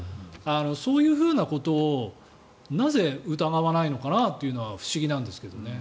そういうふうなことをなぜ、疑わないのかなというのは不思議なんですけどね。